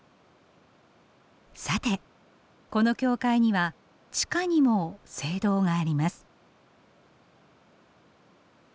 さてこの教会には地下にも聖堂があります。